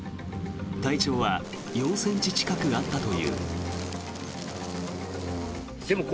体長は４ｃｍ近くあったという。